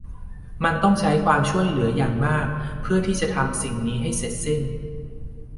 มันต้องใช้ความช่วยเหลืออย่างมากเพื่อที่จะทำสิ่งนี้ให้เสร็จสิ้น